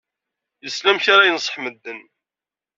Yessen amek ara yenṣeḥ medden.